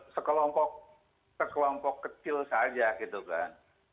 sekelompok sekelompok kecil saja gitu kan